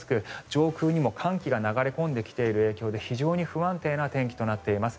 上空にも寒気が流れ込んできている影響で非常に不安定な天気となっています。